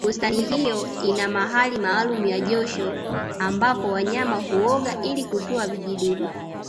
bustani hiyo ina mahali maalumu ya josho ambapo wanyama huoga ili kutoa vijidudu